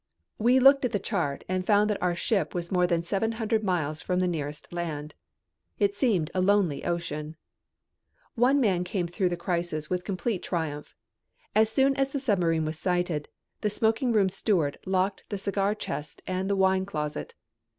We looked at the chart and found that our ship was more than seven hundred miles from the nearest land. It seemed a lonely ocean. One man came through the crisis with complete triumph. As soon as the submarine was sighted, the smoking room steward locked the cigar chest and the wine closet.